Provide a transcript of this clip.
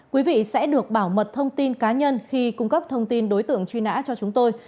quý vị sẽ được bảo mật thông tin cá nhân khi cung cấp thông tin đối tượng truy nã cho chúng tôi